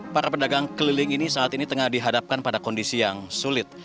para pedagang keliling ini saat ini tengah dihadapkan pada kondisi yang sulit